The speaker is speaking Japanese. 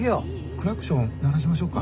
クラクション鳴らしましょうか？